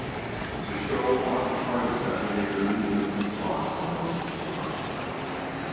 The show occupied a Saturday early evening slot for most of its run.